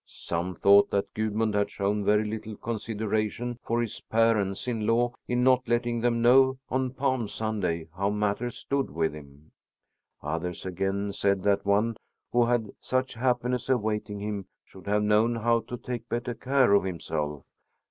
Some thought that Gudmund had shown very little consideration for his parents in law in not letting them know on Palm Sunday how matters stood with him. Others, again, said that one who had had such happiness awaiting him should have known how to take better care of himself.